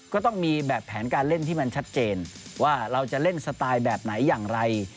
ก็ต้องมีแบบแผนการเล่นที่มันชัดเจนว่าเราจะเล่นสไตล์แบบไหนอย่างไร